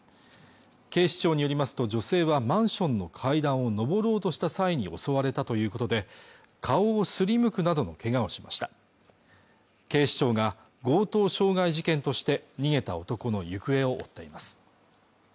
警視庁によりますと女性はマンションの階段を上ろうとした際に襲われたということで顔をすりむくなどの怪我をしました警視庁が強盗傷害事件として逃げた男の行方を追っています